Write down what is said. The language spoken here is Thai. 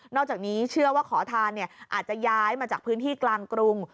อกจากนี้เชื่อว่าขอทานอาจจะย้ายมาจากพื้นที่กลางกรุง